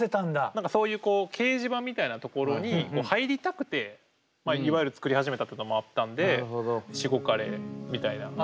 何かそういう掲示板みたいなところに入りたくていわゆる作り始めたっていうのもあったんでしごかれみたいな。